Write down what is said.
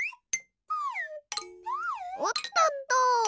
おっとっと！